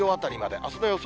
あすの予想